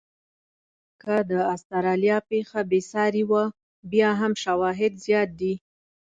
که د استرالیا پېښه بې ساري وه، بیا هم شواهد زیات دي.